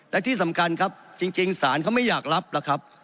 และที่สำคัญครับจริงศาลเขาไม่อยากรับหรอกครับ